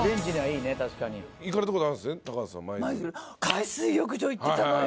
海水浴場行ってたのよ。